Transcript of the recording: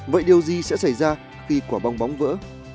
vậy điều gì sẽ xảy ra khi quả bong bóng vỡ